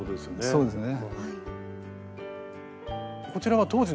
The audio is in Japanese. そうですね。